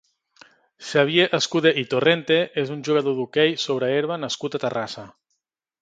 Xavier Escudé i Torrente és un jugador d'hoquei sobre herba nascut a Terrassa.